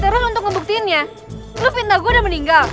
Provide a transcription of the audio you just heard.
terus untuk ngebuktinya lo pinta gue udah meninggal